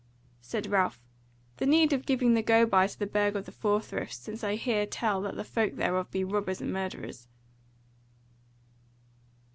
Said Ralph: "The need of giving the go by to the Burg of the Four Friths, since I hear tell that the folk thereof be robbers and murderers."